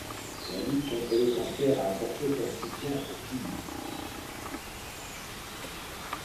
La Ligue contre le cancer a apporté son soutien au film.